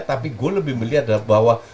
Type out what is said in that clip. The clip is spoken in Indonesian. tapi gue lebih melihat bahwa